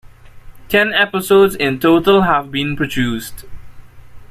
Ten episodes in total have been produced.